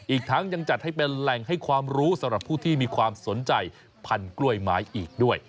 อีกทั้งยังจัดให้เป็นแหล่งให้ความรู้สำหรับผู้ที่มีความสนใจพันกล้วยไม้อีกด้วย